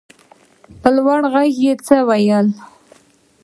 په لوړ غږ يې څه وويل.